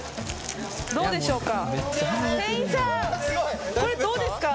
どうでしょうか。